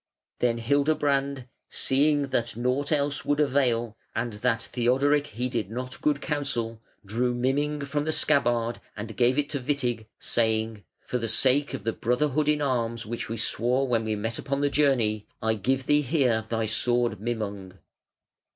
Then Hildebrand, seeing that nought else would avail, and that Theodoric heeded not good counsel, drew Mimung from the scabbard and gave it to Witig, saying: "For the sake of the brotherhood in arms which we swore when we met upon the journey, I give thee here thy sword Mimung.